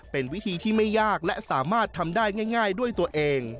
เป็นวิธีที่ไม่ยากและสามารถทำได้ง่ายด้วยตัวเอง